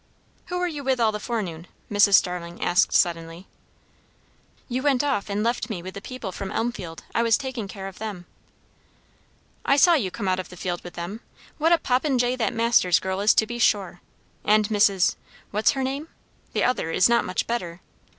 "Who were you with all the forenoon?" Mrs. Starling asked suddenly. "You went off and left me with the people from Elmfield. I was taking care of them." "I saw you come out of the field with them. What a popinjay that Masters girl is, to be sure! and Mrs. what's her name? the other, is not much better.